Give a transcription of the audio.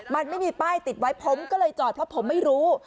มันไม่มีป้ายติดไว้ผมก็เลยจอดเพราะผมไม่รู้